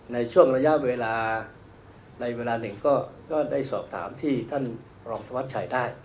ในช่วงระยะเวลาในเวลาหนึ่งก็ได้สอบถามที่ท่านรองธวัชชัยได้